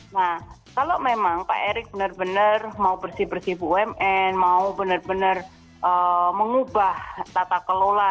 nah kalau memang pak erik benar benar mau bersih bersih bumn mau benar benar mengubah tata kelola